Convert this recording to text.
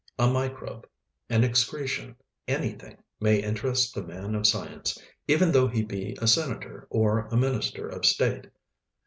A microbe, an excretion, anything, may interest the man of science, even though he be a senator or a Minister of State.